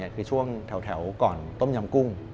คือช่วงแถวก่อนต้มยำกุ้ง